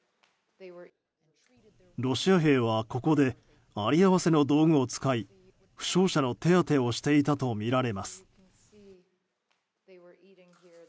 ロシア兵はここであり合わせの道具を使い負傷者の手当てをしていたとみられます。